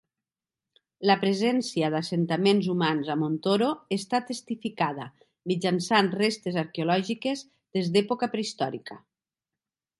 La presència d'assentaments humans a Montoro està testificada mitjançant restes arqueològiques des d'època prehistòrica.